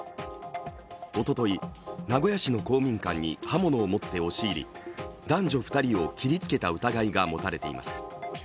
おととい、名古屋市の公民館に刃物を持って押し入り男女２人を切りつけた疑いが持たれています。